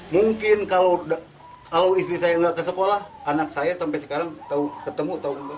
mungkin kalau istri saya nggak ke sekolah anak saya sampai sekarang ketemu atau belum